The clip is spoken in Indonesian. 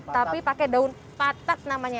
tapi pakai daun patak namanya